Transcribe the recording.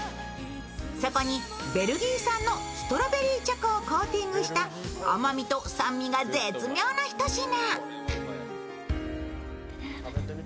そこにベルギー産のストロベリーチョコをコーティングした甘みと酸味が絶妙な一品。